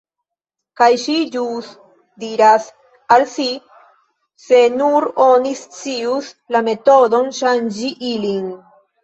Kaj ŝi ĵus diras al si "se nur oni scius la metodon ŝanĝi ilin…"